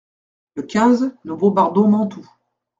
Le quinze, nous bombardons Mantoue.